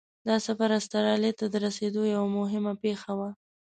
دا سفر استرالیا ته د رسېدو یوه مهمه پیښه وه.